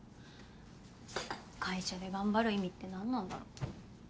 会社で頑張る意味って何なんだろ。